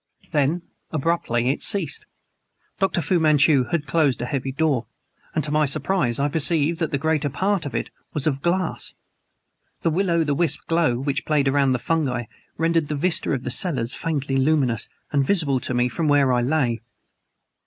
Then, abruptly, it ceased. Dr. Fu Manchu had closed a heavy door; and to my surprise I perceived that the greater part of it was of glass. The will o' the wisp glow which played around the fungi rendered the vista of the cellars faintly luminous, and visible to me from where I lay.